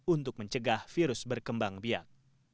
untuk mencegah virus berkembang biak